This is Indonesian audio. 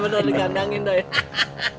bener dikandangin day